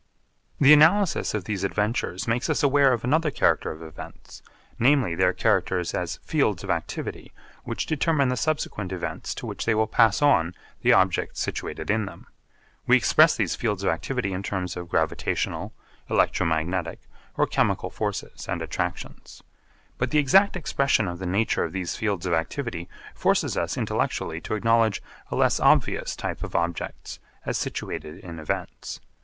The analysis of these adventures makes us aware of another character of events, namely their characters as fields of activity which determine the subsequent events to which they will pass on the objects situated in them. We express these fields of activity in terms of gravitational, electromagnetic, or chemical forces and attractions. But the exact expression of the nature of these fields of activity forces us intellectually to acknowledge a less obvious type of objects as situated in events.